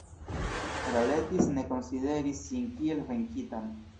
Rhalettis ne konsideris sin kiel venkitan.